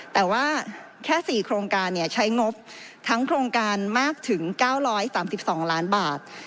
แต่ว่าแค่๔โครงการใช้งบทั้งโครงการมากถึง๙๓๒ล้านบาท